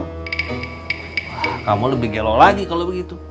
wah kamu lebih gelo lagi kalo begitu